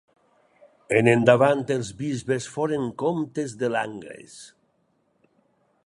En endavant els bisbes foren comtes de Langres.